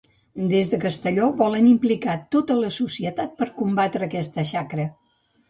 Des de Castelló volen implicar tota la societat per combatre aquesta xacra.